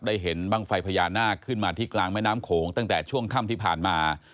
เห็นบ้างไฟพญานาคขึ้นมาที่กลางแม่น้ำโขงตั้งแต่ช่วงค่ำที่ผ่านมา